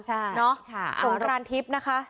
ใช่เนาะสงกรานทิพย์นะคะ